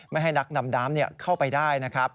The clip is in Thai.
ไม่ให้นักนำน้ำเข้าไปได้นะครับ